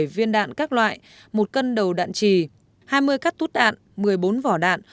một mươi viên đạn các loại một cân đầu đạn trì hai mươi cắt tút đạn một mươi bốn vỏ đạn